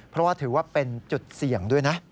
เพราะว่าถือว่าเป็นจุดเสี่ยงด้วยนะ